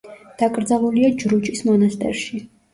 დაკრძალულია ჯრუჭის მონასტერში.